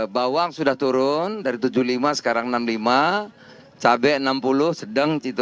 bawang sudah turun dari tujuh puluh lima sekarang enam puluh lima cabai enam puluh sedang